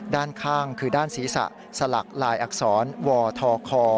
ด้านข้างคือด้านศีรษะสลักลายอักษรวทค